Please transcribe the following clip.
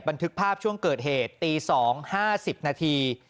บันทึกภาพช่วงเกิดเหตุตี๒๕๐นาที